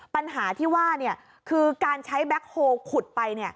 ปัญหาที่ว่าคือการใช้แบ็คโฮลขุดไป